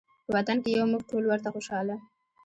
په وطن کې یو موږ ټول ورته خوشحاله